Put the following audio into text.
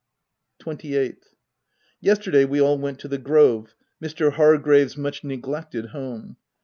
28th. — Yesterday we all went to the Grove, Mr. Hargrave's much neglected home.